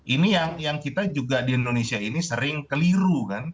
ini yang kita juga di indonesia ini sering keliru kan